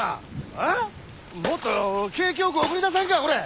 もっと景気よく送り出さんかほれ！